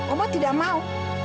oma tidak mau